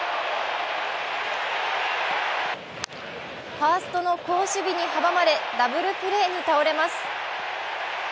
ファーストの好守備に阻まれダブルプレーに倒れます。